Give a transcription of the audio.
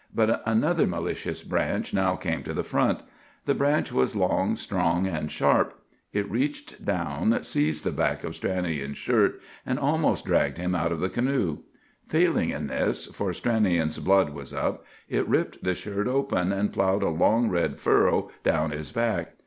But another malicious branch now came to the front. The branch was long, strong, and sharp. It reached down, seized the back of Stranion's shirt, and almost dragged him out of the canoe. Failing in this,—for Stranion's blood was up,—it ripped the shirt open, and ploughed a long red furrow down his back.